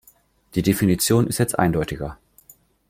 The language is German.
Die Definition ist jetzt eindeutiger.